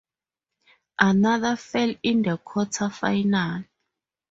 Another fell in the quarterfinal.